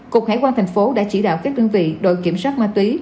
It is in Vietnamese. cục hải quan tp hcm đã chỉ đạo các đơn vị đội kiểm soát ma túy